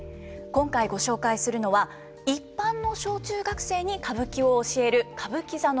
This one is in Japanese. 今回ご紹介するのは一般の小中学生に歌舞伎を教える歌舞伎座の教室です。